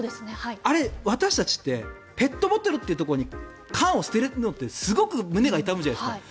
あれ、私たちってペットボトルというところに缶を捨てるってすごく胸が痛むじゃないですか。